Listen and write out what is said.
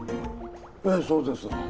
ええそうです